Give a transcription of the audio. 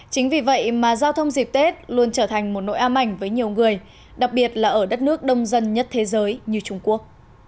chính vì vậy mà giao thông dịp tết luôn trở thành một nỗi ám ảnh với nhiều người đặc biệt là ở đất nước đông dân nhất thế giới như trung quốc